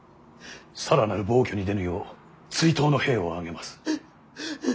更なる暴挙に出ぬよう追討の兵を挙げます。